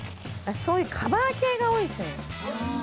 そういうカバー系が多いですね。